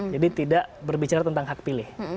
jadi tidak berbicara tentang hak pilih